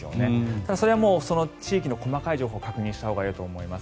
ただ、それは地域の細かい情報を確認したほうがいいと思います。